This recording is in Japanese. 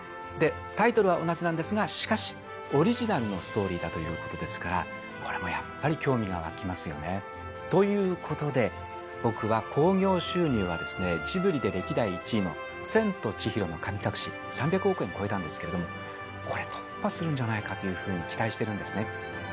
タイトルは同じなんですが、しかしオリジナルのストーリーだということですから、これもやっぱり、興味が湧きますよね。ということで、僕は興行収入はジブリで歴代１位の千と千尋の神隠し、３００億円を超えたんですけれども、これ、突破するんじゃないかというふうに期待しているんですね。